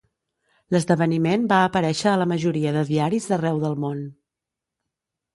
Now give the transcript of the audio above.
L'esdeveniment va aparèixer a la majoria de diaris d'arreu del món.